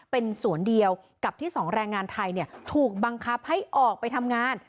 เป็นสวนเดียวกับที่สองแรงงานไทยถูกบังคับให้ออกไปทำงาน